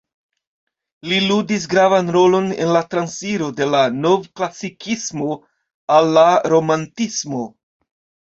Li ludis gravan rolon en la transiro de la Novklasikismo al la Romantismo.